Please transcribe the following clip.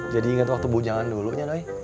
jadi inget waktu bu jangan dulunya doi